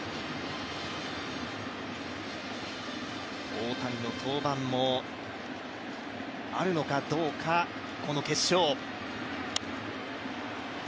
大谷の登板もあるのかどうか、この決勝。